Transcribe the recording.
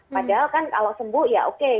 padahal kan kalau sembuh ya oke